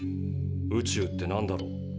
宇宙ってなんだろう。